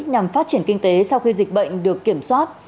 nhằm phát triển kinh tế sau khi dịch bệnh được kiểm soát